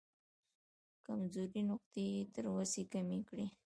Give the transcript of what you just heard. کمزورې نقطې یې تر وسې کمې کړې.